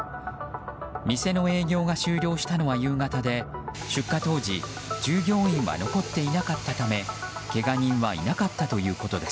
店の営業が終了したのは夕方で出火当時従業員は残っていなかったためけが人はいなかったということです。